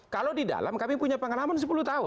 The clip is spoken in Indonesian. kalau di dalam kami punya pengalaman sepuluh tahun